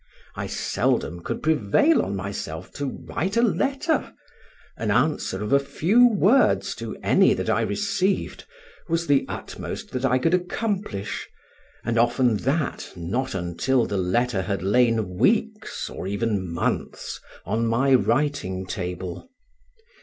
I seldom could prevail on myself to write a letter; an answer of a few words to any that I received was the utmost that I could accomplish, and often that not until the letter had lain weeks or even months on my writing table.